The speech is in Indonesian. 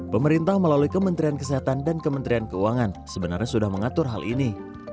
pemerintah melalui kementerian kesehatan dan kementerian keuangan sebenarnya sudah mengatur hal ini